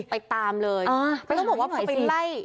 ไปตามเลยเขาบอกว่าไปไล่